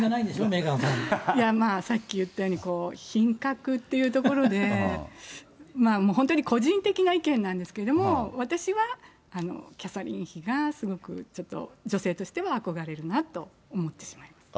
まあさっき言ったように、品格というところで、本当に個人的な意見なんですけれども、私はキャサリン妃がすごく、ちょっと女性としては憧れるなと思ってしまいます。